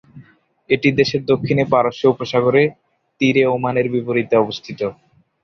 এটি দেশের দক্ষিণে পারস্য উপসাগরের তীরে ওমানের বিপরীতে অবস্থিত।